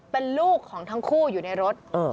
เป็นลูกของทั้งคู่อยู่ในรถ